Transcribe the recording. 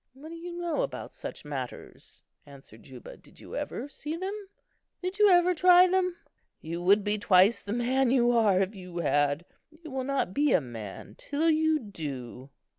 "What do you know about such matters?" asked Juba. "Did you ever see them? Did you ever try them? You would be twice the man you are if you had. You will not be a man till you do.